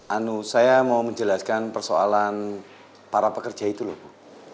anu saya mau menjelaskan persoalan para pekerja itu loh bu